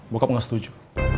bokap gak setuju